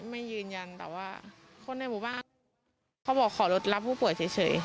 ไม่ยืนยันแต่ว่าคนในหมู่บ้านเขาบอกขอรถรับผู้ป่วยเฉย